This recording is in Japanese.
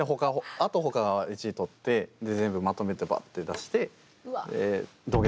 あと他は１位取ってで全部まとめてばって出してええっ！